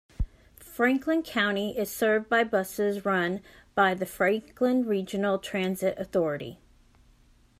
Franklin County is served by buses run by the Franklin Regional Transit Authority.